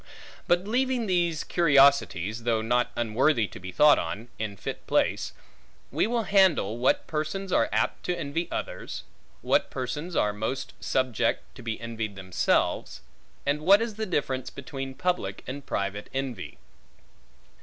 But leaving these curiosities (though not unworthy to be thought on, in fit place), we will handle, what persons are apt to envy others; what persons are most subject to be envied themselves; and what is the difference between public and private envy.